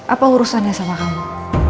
apa urusannya sama kamu